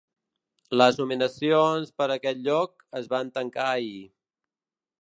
Les nominacions per a aquest lloc es van tancar ahir.